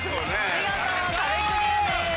見事壁クリアです。